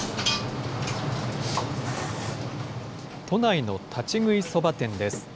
都内の立ち食いそば店です。